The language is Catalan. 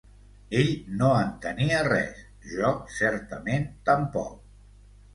Ell no entenia res; jo, certament, tampoc.